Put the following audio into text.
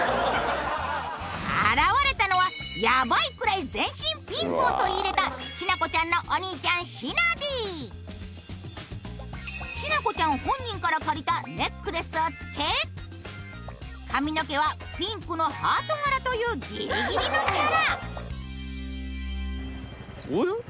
現れたのはやばいくらい全身ピンクを取り入れたしなこちゃん本人から借りたネックレスを着け髪の毛はピンクのハート柄というギリギリのキャラ。